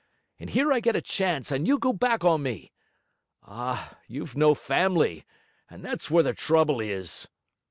And here I get a chance, and you go back on me! Ah, you've no family, and that's where the trouble is!'